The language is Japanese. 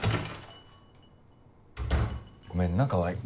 ごめんな川合